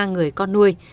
hai mươi ba người con nuôi